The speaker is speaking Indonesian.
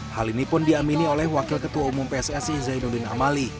hal ini pun diamini oleh wakil ketua umum pssi zainuddin amali